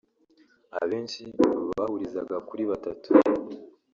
Abenshi bahurizaga kuri batatu